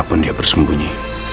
manapun dia bersembunyi